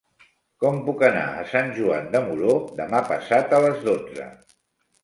Com puc anar a Sant Joan de Moró demà passat a les dotze?